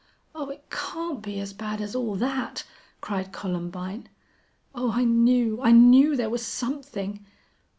"Oh, it can't be as bad as all that!" cried Columbine. "Oh, I knew I knew there was something....